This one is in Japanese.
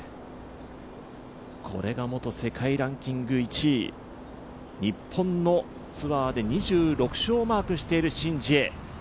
これが元世界ランキング１位日本のツアーで２６勝マークしているシン・ジエ。